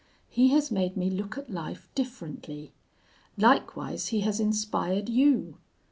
He has made me look at life differently. Likewise he has inspired you.